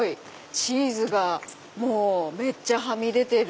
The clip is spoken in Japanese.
チーズがめっちゃはみ出てる。